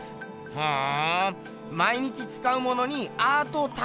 ふん。